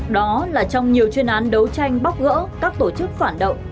đó là trong nhiều chuyên án đấu tranh bóc gỡ các tổ chức phản động